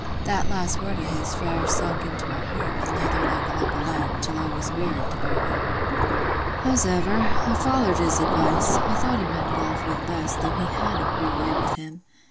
That last word o' his fair sunk into my heart, an' lay there like a lump o' lead, till I was weary to bear it. "Howsever, I follered his advice: I thought he meant it all for th' best, though he had a queer way with him.